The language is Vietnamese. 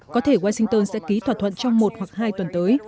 có thể washington sẽ ký thỏa thuận trong một hoặc hai tuần tới